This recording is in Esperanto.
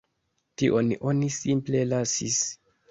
Tion oni simple lasis.